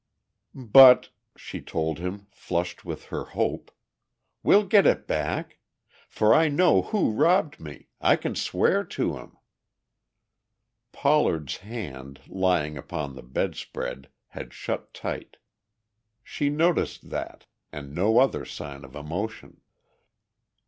"But," she told him, flushed with her hope, "we'll get it back! For I know who robbed me, I can swear to him!" Pollard's hand, lying upon the bed spread, had shut tight. She noticed that and no other sign of emotion.